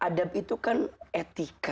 jadi adab itu kan etiknya